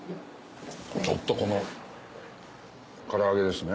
ちょっとこの唐揚げですね。